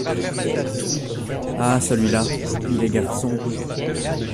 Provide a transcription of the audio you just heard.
Ah ! celui-là… il est garçon.